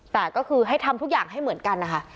แต่ก็คือให้ทำทุกอย่างให้เหมือนกันนะคะ